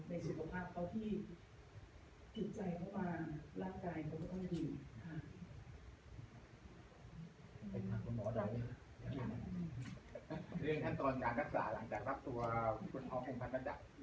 ในสุขภาพเขาที่ถิดใจเขามาร่างกายเขาจะค่อยดี